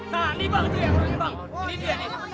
nah dibang itu ya orang dibang